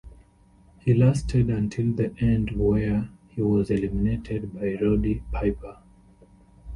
He lasted until the end where he was eliminated by Roddy Piper.